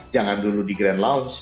jangan dulu di grand lounge